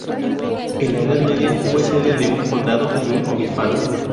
En la Edad Media fue sede de un condado y un obispado.